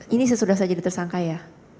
ini sesudah saya jadi tersangka ya